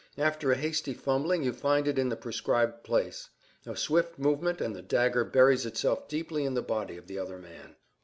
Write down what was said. After a hasty fumbling you find it in the prescribed place. A swift movement and the dagger buries itself deeply in the body of the other man.